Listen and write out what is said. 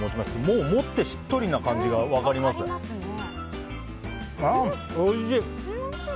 もう持って、しっとりな感じが分かりますね。